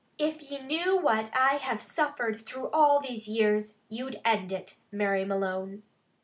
If ye knew what I have suffered through all these years, you'd end it, Mary Malone."